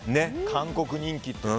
韓国人気が。